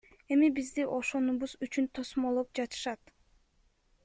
Эми бизди ошонубуз үчүн тосмолоп жатышат.